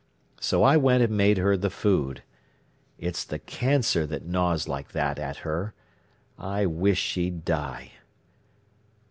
So I went and made her the food. It's the cancer that gnaws like that at her. I wish she'd die!"